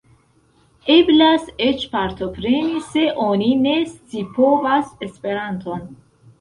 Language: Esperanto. Eblas eĉ partopreni se oni ne scipovas Esperanton.